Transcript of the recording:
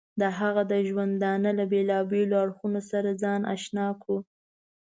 د هغه د ژوندانه له بېلابېلو اړخونو سره ځان اشنا کړو.